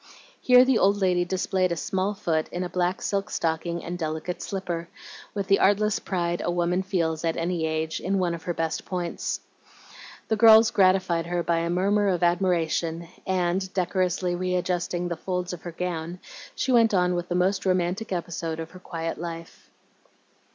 Here the old lady displayed a small foot in a black silk stocking and delicate slipper, with the artless pride a woman feels, at any age, in one of her best points. The girls gratified her by a murmur of admiration, and, decorously readjusting the folds of her gown, she went on with the most romantic episode of her quiet life.